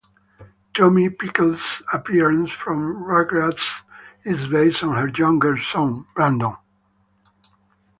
Tommy Pickles' appearance from "Rugrats" is based on her younger son, Brandon.